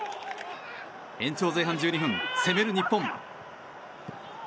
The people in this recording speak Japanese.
延長前半１２分、攻める日本。